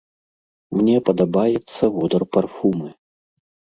Мне падабаецца водар парфумы.